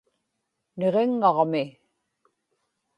niġiŋŋaġmi